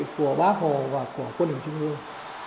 của bác hồ và của quân đồng trung ương